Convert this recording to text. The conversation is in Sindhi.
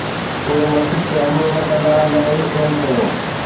اهي مسجد تي حملو نه ڪندا، نه ئي انهن ڪيو